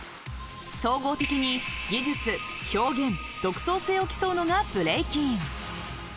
総合的に技術、表現、独創性を競うのがブレイキン。